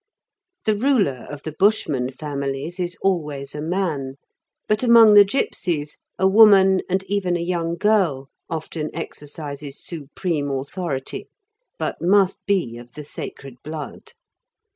The ruler of the Bushman families is always a man, but among the gipsies a woman, and even a young girl, often exercises supreme authority, but must be of the sacred blood.